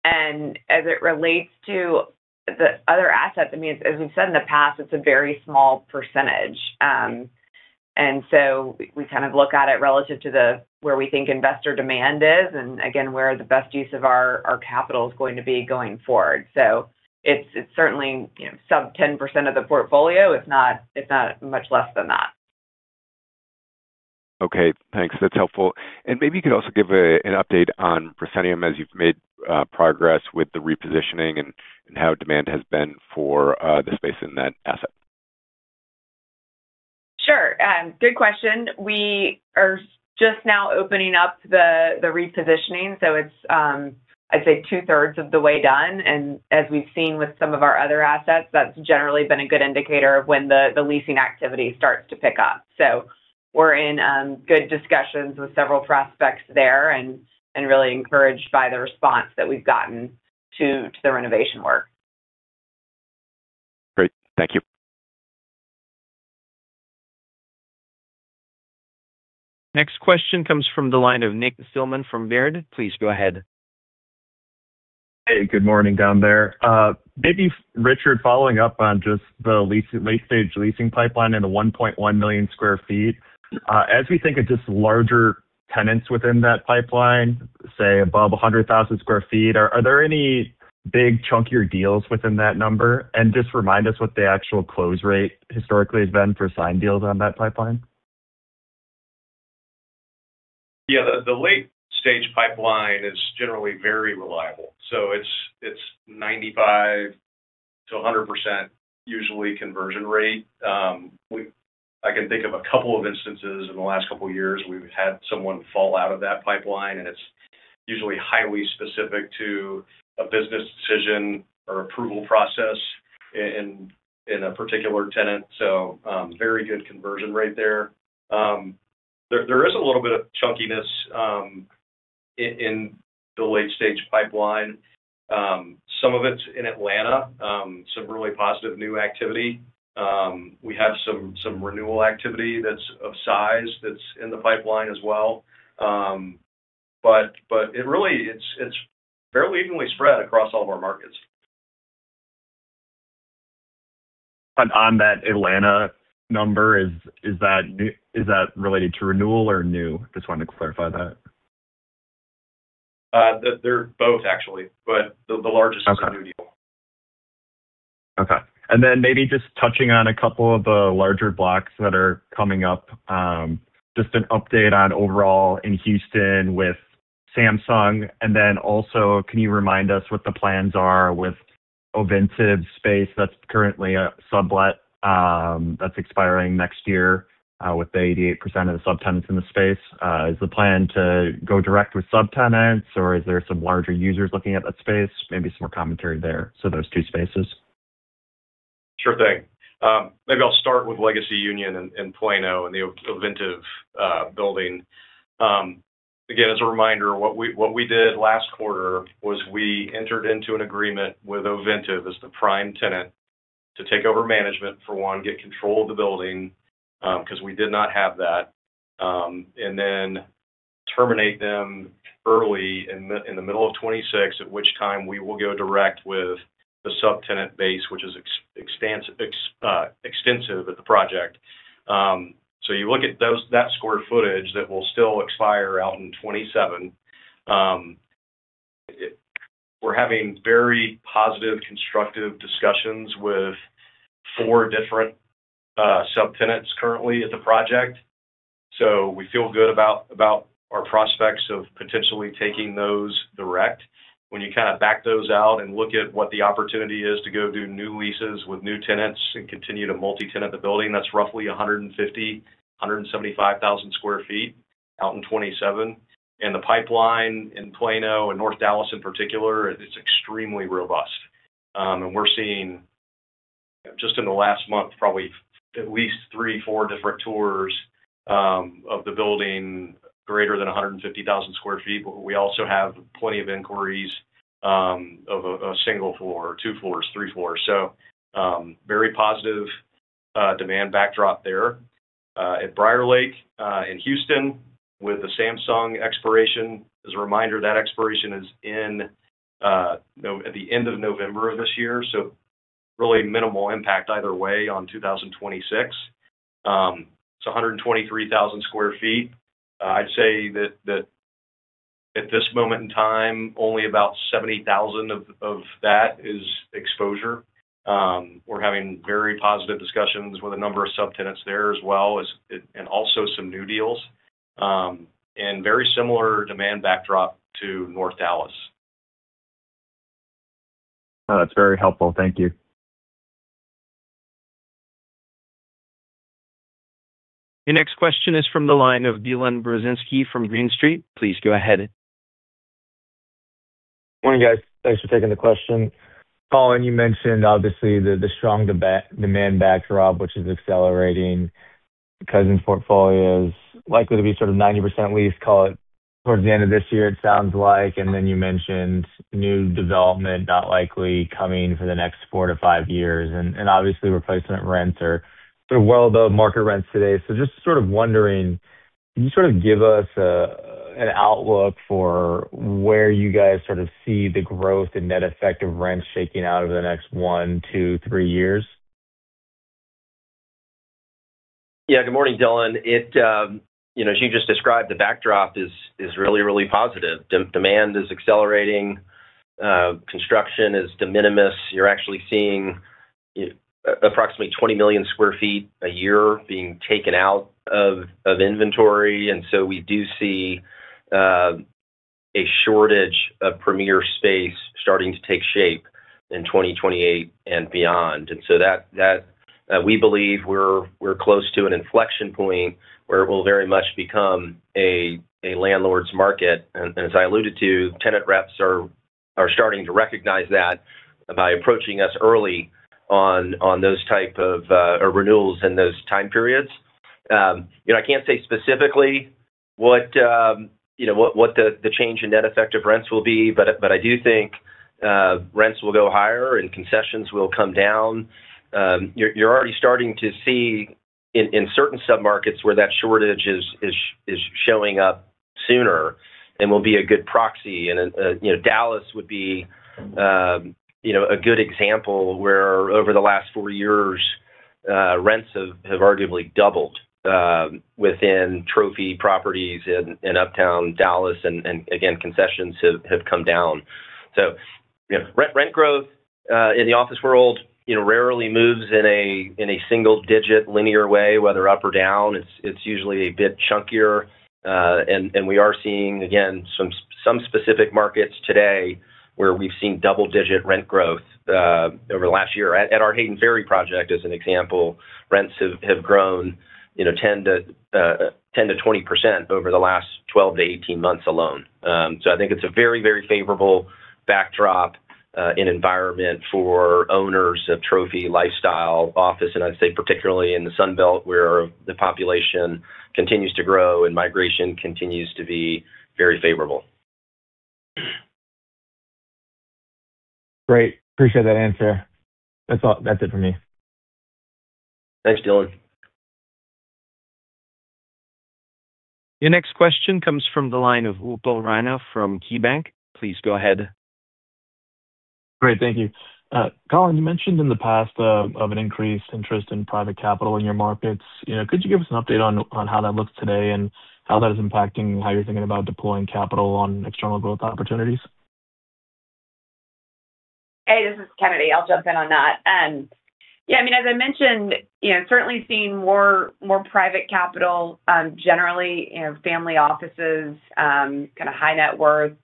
And as it relates to the other assets, I mean, as we've said in the past, it's a very small percentage. And so we kind of look at it relative to where we think investor demand is and, again, where the best use of our capital is going to be going forward. So it's certainly sub-10% of the portfolio, if not much less than that. Okay. Thanks. That's helpful. And maybe you could also give an update on Proscenium as you've made progress with the repositioning and how demand has been for the space in that asset. Sure. Good question. We are just now opening up the repositioning. So it's, I'd say, two-thirds of the way done. And as we've seen with some of our other assets, that's generally been a good indicator of when the leasing activity starts to pick up. So we're in good discussions with several prospects there and really encouraged by the response that we've gotten to the renovation work. Great. Thank you. Next question comes from the line of Nick Thillman from Baird. Please go ahead. Hey. Good morning down there. Maybe, Richard, following up on just the late-stage leasing pipeline and the 1.1 million sq ft, as we think of just larger tenants within that pipeline, say, above 100,000 sq ft, are there any big, chunkier deals within that number? And just remind us what the actual close rate historically has been for signed deals on that pipeline. Yeah. The late-stage pipeline is generally very reliable. So it's 95%-100% conversion rate usually. I can think of a couple of instances in the last couple of years. We've had someone fall out of that pipeline, and it's usually highly specific to a business decision or approval process in a particular tenant. So very good conversion rate there. There is a little bit of chunkiness in the late-stage pipeline. Some of it's in Atlanta, some really positive new activity. We have some renewal activity that's of size that's in the pipeline as well. But really, it's fairly evenly spread across all of our markets. On that Atlanta number, is that related to renewal or new? Just wanted to clarify that. They're both, actually, but the largest is a new deal. Okay. And then maybe just touching on a couple of the larger blocks that are coming up, just an update on overall in Houston with Samsung. And then also, can you remind us what the plans are with Ovintiv space that's currently a sublet that's expiring next year with the 88% of the subtenants in the space? Is the plan to go direct with subtenants, or is there some larger users looking at that space? Maybe some more commentary there for those two spaces. Sure thing. Maybe I'll start with Legacy Union in Plano and the Ovintiv building. Again, as a reminder, what we did last quarter was we entered into an agreement with Ovintiv as the prime tenant to take over management for one, get control of the building because we did not have that, and then terminate them early in the middle of 2026, at which time we will go direct with the subtenant base, which is extensive at the project. So you look at that square footage that will still expire out in 2027. We're having very positive, constructive discussions with four different subtenants currently at the project. So we feel good about our prospects of potentially taking those direct. When you kind of back those out and look at what the opportunity is to go do new leases with new tenants and continue to multi-tenant the building, that's roughly 150,000-175,000 sq ft out in 2027. And the pipeline in Plano and North Dallas in particular, it's extremely robust. And we're seeing just in the last month, probably at least 3-4 different tours of the building greater than 150,000 sq ft. But we also have plenty of inquiries of a single floor, two floors, three floors. So very positive demand backdrop there. At Briarlake in Houston with the Samsung expiration, as a reminder, that expiration is at the end of November of this year. So really minimal impact either way on 2026. It's 123,000 sq ft. I'd say that at this moment in time, only about 70,000 of that is exposure. We're having very positive discussions with a number of subtenants there as well, and also some new deals, and very similar demand backdrop to North Dallas. That's very helpful. Thank you. Your next question is from the line of Dylan Burzinski from Green Street. Please go ahead. Morning, guys. Thanks for taking the question. Colin, you mentioned, obviously, the strong demand backdrop, which is accelerating. Cousins' portfolio is likely to be sort of 90% leased, call it, towards the end of this year, it sounds like. And then you mentioned new development not likely coming for the next four-to-five years and obviously replacement rents are sort of well above market rents today. So just sort of wondering, can you sort of give us an outlook for where you guys sort of see the growth and net effect of rents shaking out over the next one, two, three years? Yeah. Good morning, Dylan. As you just described, the backdrop is really, really positive. Demand is accelerating. Construction is de minimis. You're actually seeing approximately 20 million sq ft a year being taken out of inventory. And so we do see a shortage of premier space starting to take shape in 2028 and beyond. And so we believe we're close to an inflection point where it will very much become a landlord's market. And as I alluded to, tenant reps are starting to recognize that by approaching us early on those type of renewals in those time periods. I can't say specifically what the change in net effect of rents will be, but I do think rents will go higher and concessions will come down. You're already starting to see in certain submarkets where that shortage is showing up sooner and will be a good proxy. Dallas would be a good example where over the last 4 years, rents have arguably doubled within Trophy Properties in Uptown Dallas. Again, concessions have come down. Rent growth in the office world rarely moves in a single-digit linear way, whether up or down. It's usually a bit chunkier. We are seeing, again, some specific markets today where we've seen double-digit rent growth over the last year. At our Hayden Ferry project, as an example, rents have grown 10%-20% over the last 12-18 months alone. I think it's a very, very favorable backdrop and environment for owners of Trophy Lifestyle Office. I'd say particularly in the Sunbelt where the population continues to grow and migration continues to be very favorable. Great. Appreciate that answer. That's it for me. Thanks, Dylan. Your next question comes from the line of Upal Rana from KeyBanc. Please go ahead. Great. Thank you. Colin, you mentioned in the past of an increased interest in private capital in your markets. Could you give us an update on how that looks today and how that is impacting how you're thinking about deploying capital on external growth opportunities? Hey, this is Kennedy. I'll jump in on that. Yeah. I mean, as I mentioned, certainly seeing more private capital, generally family offices, kind of high net worth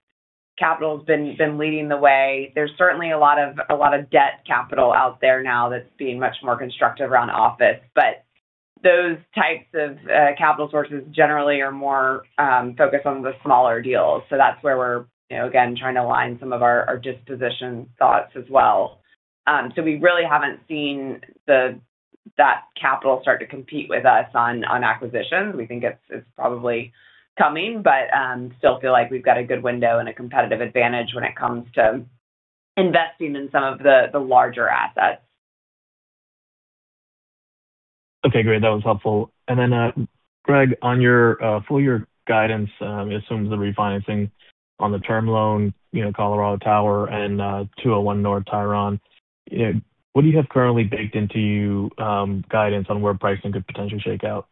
capital has been leading the way. There's certainly a lot of debt capital out there now that's being much more constructive around office. But those types of capital sources generally are more focused on the smaller deals. So that's where we're, again, trying to align some of our disposition thoughts as well. So we really haven't seen that capital start to compete with us on acquisitions. We think it's probably coming, but still feel like we've got a good window and a competitive advantage when it comes to investing in some of the larger assets. Okay. Great. That was helpful. Then, Gregg, on your full-year guidance, it assumes the refinancing on the term loan, Colorado Tower and 201 North Tryon. What do you have currently baked into your guidance on where pricing could potentially shake out?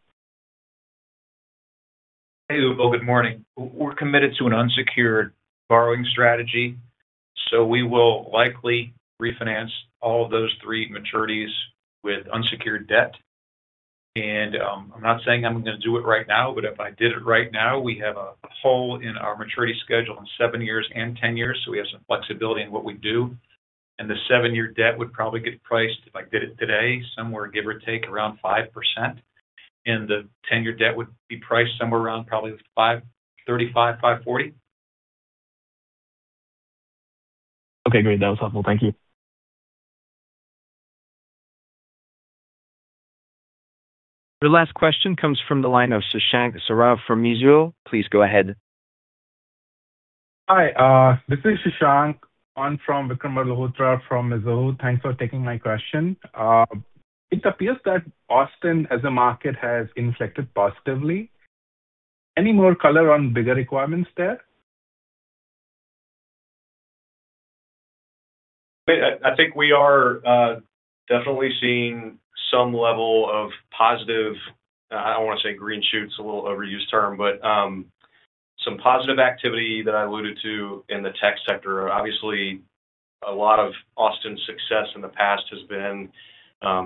Hey, Upal. Good morning. We're committed to an unsecured borrowing strategy. So we will likely refinance all of those 3 maturities with unsecured debt. And I'm not saying I'm going to do it right now, but if I did it right now, we have a hole in our maturity schedule in 7 years and 10 years. So we have some flexibility in what we do. And the 7-year debt would probably get priced, if I did it today, somewhere, give or take, around 5%. And the 10-year debt would be priced somewhere around probably 3.5%-5.40%. Okay. Great. That was helpful. Thank you. Your last question comes from the line of Shashank Saravanan from Mizuho. Please go ahead. Hi. This is Shashank Saravanan from Mizuho. Thanks for taking my question. It appears that Austin, as a market, has inflected positively. Any more color on bigger requirements there? I think we are definitely seeing some level of positive, I don't want to say green shoots, a little overused term, but some positive activity that I alluded to in the tech sector. Obviously, a lot of Austin's success in the past has been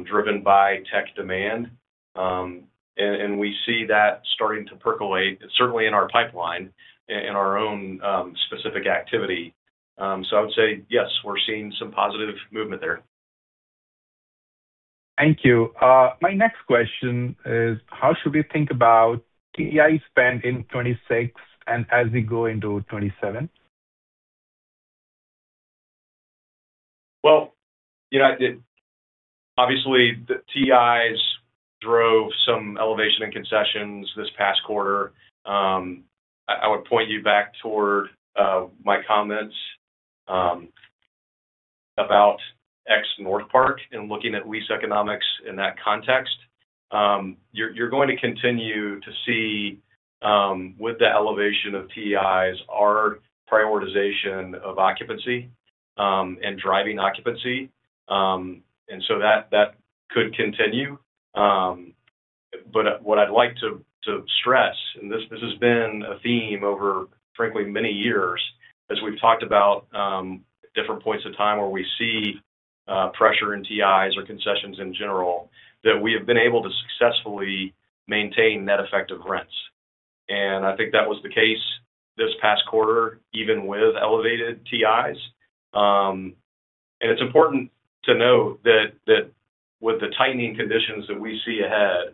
driven by tech demand. We see that starting to percolate, certainly in our pipeline, in our own specific activity. I would say, yes, we're seeing some positive movement there. Thank you. My next question is, how should we think about TI spend in 2026 and as we go into 2027? Well, obviously, the TIs drove some elevation in concessions this past quarter. I would point you back toward my comments about our Northpark and looking at lease economics in that context. You're going to continue to see, with the elevation of TIs, our prioritization of occupancy and driving occupancy. And so that could continue. But what I'd like to stress, and this has been a theme over, frankly, many years, as we've talked about different points of time where we see pressure in TIs or concessions in general, that we have been able to successfully maintain net effective rents. And I think that was the case this past quarter, even with elevated TIs. And it's important to note that with the tightening conditions that we see ahead,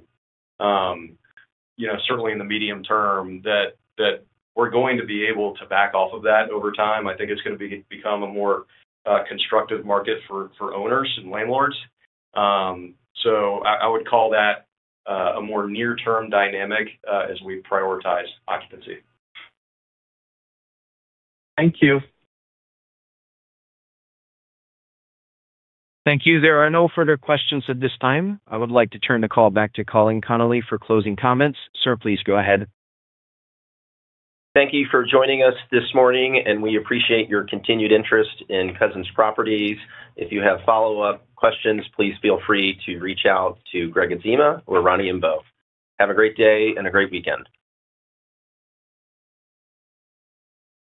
certainly in the medium term, that we're going to be able to back off of that over time. I think it's going to become a more constructive market for owners and landlords. So I would call that a more near-term dynamic as we prioritize occupancy. Thank you. Thank you. There are no further questions at this time. I would like to turn the call back to Colin Connolly for closing comments. Sir, please go ahead. Thank you for joining us this morning, and we appreciate your continued interest in Cousins Properties. If you have follow-up questions, please feel free to reach out to Gregg Adzema or Roni Imbeaux. Have a great day and a great weekend.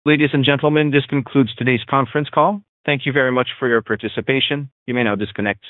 Ladies and gentlemen, this concludes today's conference call. Thank you very much for your participation. You may now disconnect.